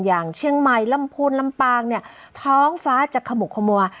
อย่างเชียงใหม่ลำพูนลำปางเนี่ยท้องฟ้าจะขมุกขมัว